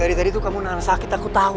dari tadi kamu nangis sakit aku tahu